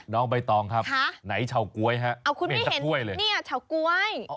น้องใบตองครับไหนเฉาก๊วยฮะเห็นเฉาก๊วยเลยนะครับโอ้คุณไม่เห็นเนี่ยเฉาก๊วย